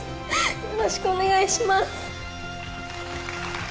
よろしくお願いします。